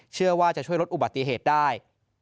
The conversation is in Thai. เชื่อว่าจะช่วยลดอุบัติเหตุได้